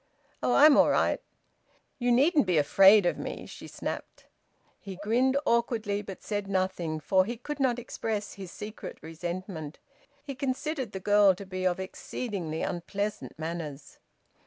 "Oh! I'm all right." "You needn't be afraid of me," she snapped. He grinned awkwardly, but said nothing, for he could not express his secret resentment. He considered the girl to be of exceedingly unpleasant manners.